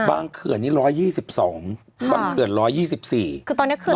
เขื่อนนี้ร้อยยี่สิบสองบางเขื่อนร้อยยี่สิบสี่คือตอนเนี้ยเขื่อ